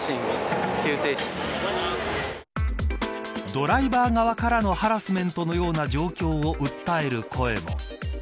ドライバー側からのハラスメントのような状況を訴える声も。